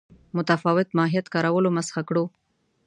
متفاوت ماهیت کارولو مسخه کړو.